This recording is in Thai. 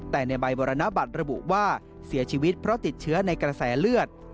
แต่ในใบมรณบัตรระบุว่าเสียชีวิตเพราะติดเชื้อในกระแสเลือด